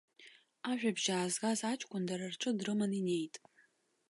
Ажәабжь аазгаз аҷкәын дара рҿы дрыман инеит.